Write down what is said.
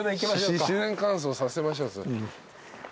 自然乾燥させましょう。